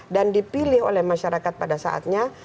dan dipilih oleh masyarakat pada saatnya